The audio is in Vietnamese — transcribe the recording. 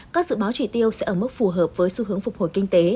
các dự báo chỉ tiêu sẽ ở mức phù hợp với xu hướng phục hồi kinh tế